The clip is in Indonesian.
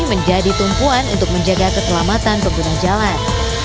menjadi tumpuan untuk menjaga keselamatan pengguna jalan